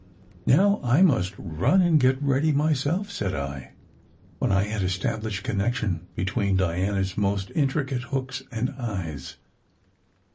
"Now I must run and get ready, myself," said I, when I had established connection between Diana s most intricate hooks and eyes.